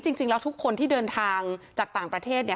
จริงแล้วทุกคนที่เดินทางจากต่างประเทศเนี่ย